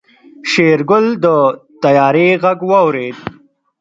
شېرګل د طيارې غږ واورېد.